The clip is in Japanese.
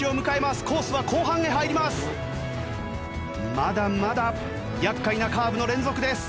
まだまだ厄介なカーブの連続です。